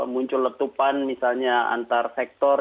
muncul letupan misalnya antar sektor